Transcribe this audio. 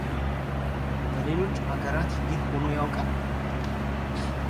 በሌሎች አገራት ይህ ሆኖ ያውቃል?